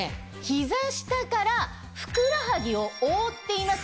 ひざ下からふくらはぎを覆っています